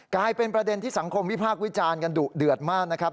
กลายเป็นประเด็นที่สังคมวิพากษ์วิจารณ์กันดุเดือดมากนะครับ